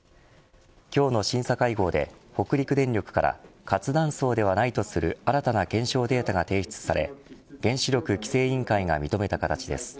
今日の審査会合で、北陸電力から活断層ではないとする新たな検証データが提出され原子力規制委員会が認めた形です。